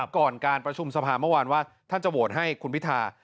ก่อนการประชุมสภาเมื่อวานว่าท่านจะโหวตให้คุณพิธา